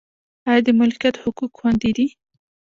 آیا د ملکیت حقوق خوندي دي؟